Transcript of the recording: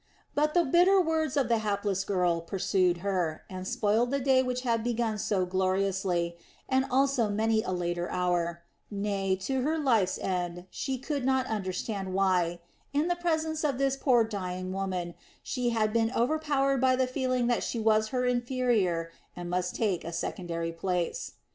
But the bitter words of the hapless girl pursued her and spoiled the day which had begun so gloriously and also many a later hour; nay, to her life's end she could not understand why, in the presence of this poor, dying woman, she had been overpowered by the feeling that she was her inferior and must take a secondary place.